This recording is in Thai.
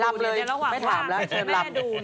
แล้วไม่ถามแล้ว